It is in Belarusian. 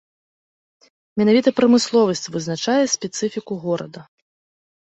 Менавіта прамысловасць вызначае спецыфіку горада.